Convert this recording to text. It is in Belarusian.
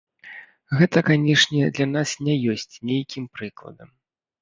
Гэта, канечне, для нас не ёсць нейкім прыкладам.